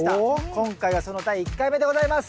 今回はその第１回目でございます。